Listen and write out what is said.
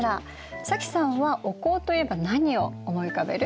早紀さんはお香といえば何を思い浮かべる？